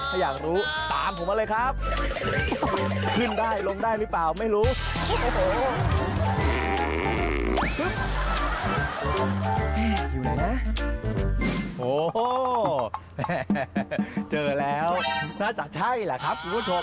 ถ้าอยากรู้ตามผมมาเลยครับ